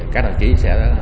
các đồng chí sẽ